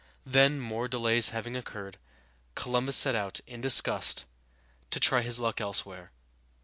Then, more delays having occurred, Columbus set out, in disgust, to try his luck elsewhere.